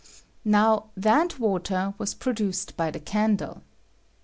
Now that water was produced by the candle.